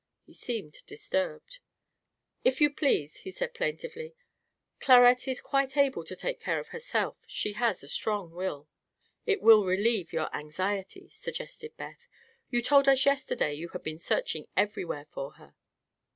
He seemed disturbed. "If you please," said he plaintively, "Clarette is quite able to take care of herself. She has a strong will." "But if you know she is safe it will relieve your anxiety," suggested Beth. "You told us yesterday you had been searching everywhere for her."